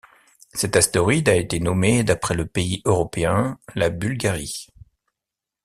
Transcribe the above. Cet astéroïde a été nommé d'après le pays européen, la Bulgarie.